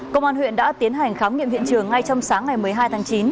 công an huyện đã tiến hành khám nghiệm hiện trường ngay trong sáng ngày một mươi hai tháng chín